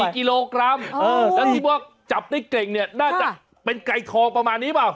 กิโลกรัมแล้วที่ว่าจับได้เก่งเนี่ยน่าจะเป็นไก่ทองประมาณนี้เปล่า